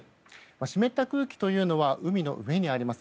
湿った空気というのは海の上にあります。